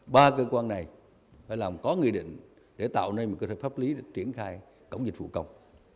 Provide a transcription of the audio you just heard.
ba cơ quan này phải làm có nghị định để tạo nên một cơ sở pháp lý để triển khai cổng dịch vụ công